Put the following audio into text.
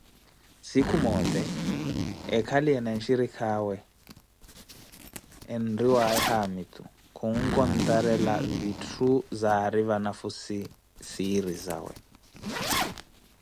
Siiku moote ekaliye na nshirikaawe enriwaaye haamitu, khunkontarela vithu zari vanafhussi siiri zawe.